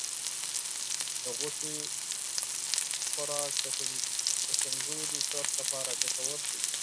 د غوښې خوراک د کمزورې بدن لپاره ګټور دی.